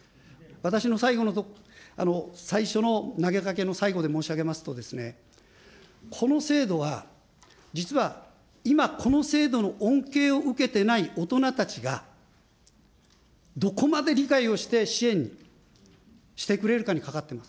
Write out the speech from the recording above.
私の最初の投げかけの最後で申し上げますと、この制度は、実は今、この制度の恩恵を受けてない大人たちが、どこまで理解をして支援してくれるかにかかってます。